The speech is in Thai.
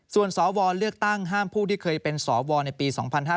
ส่วนสวเลือกตั้งห้ามผู้ที่เคยเป็นสวในปี๒๕๕๙